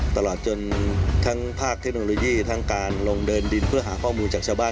ตลอดจนทั้งภาคเทคโนโลยีทั้งการลงเดินดินเพื่อหาข้อมูลจากชาวบ้าน